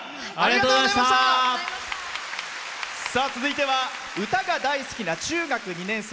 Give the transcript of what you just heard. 続いては歌が大好きな中学２年生。